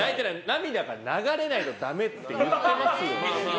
涙が流れないとダメって言ってますよね。